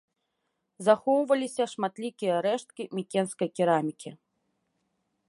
Захоўваліся шматлікія рэшткі мікенскай керамікі.